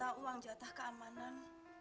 agungnya tulis b andy juga